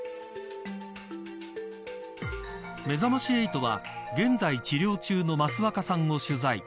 めざまし８は現在治療中の益若さんを取材。